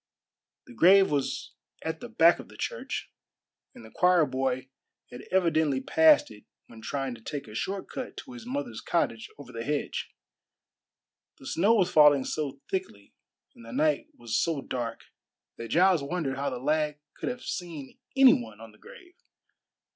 The grave was at the back of the church, and the choir boy had evidently passed it when trying to take a short cut to his mother's cottage over the hedge. The snow was falling so thickly and the night was so dark that Giles wondered how the lad could have seen any one on the grave.